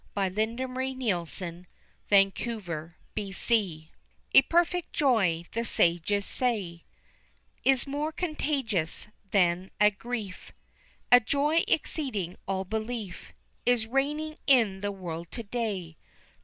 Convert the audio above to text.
(A Diamond Jubilee Ode, 1897) A perfect joy, the sages say, Is more contagious than a grief; A joy exceeding all belief Is reigning in the world to day.